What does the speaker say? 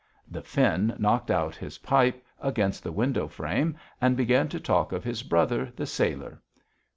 The Finn knocked out his pipe against the window frame and began to talk of his brother, the sailor.